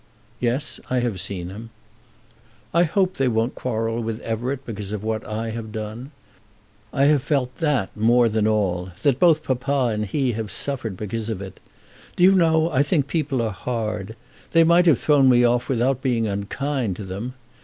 "Yes; I have seen him." "I hope they won't quarrel with Everett because of what I have done. I have felt that more than all, that both papa and he have suffered because of it. Do you know, I think people are hard. They might have thrown me off without being unkind to them.